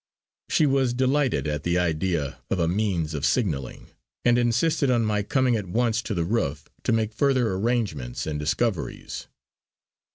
She was delighted at the idea of a means of signalling; and insisted on my coming at once to the roof to make further arrangements and discoveries.